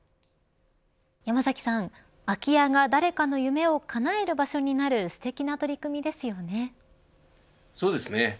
山崎さん、空き家が誰かの夢を叶える場所になるそうですね。